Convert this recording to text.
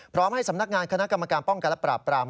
พร้อมให้สำนักงานคณะกรรมการป้องกันและปราบปราม